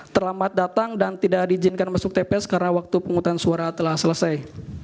terlambat datang dan tidak diizinkan masuk tps karena waktu penghutang suara telah selesai